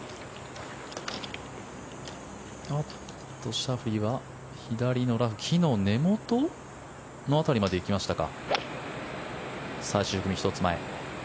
シャフリーは左のラフ木の根元の辺りまで行きましたか。